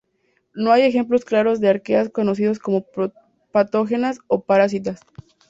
No hay ejemplos claros de arqueas conocidas como patógenas o parásitas.